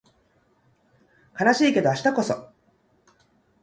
悲しいけど明日こそ